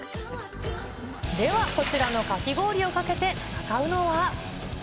ではこちらのかき氷をかけて戦うのは。